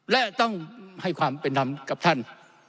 และต้องให้ความเป็นธรรมกับท่าน